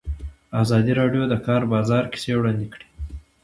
ازادي راډیو د د کار بازار کیسې وړاندې کړي.